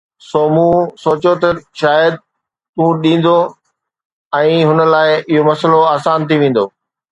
سو مون سوچيو ته شايد تون ڏيندو ۽ هن لاءِ اهو مسئلو آسان ٿي ويندو